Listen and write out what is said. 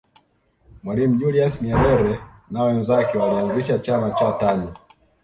mwalimu julius nyerere na wenzake walianzisha chama cha tanu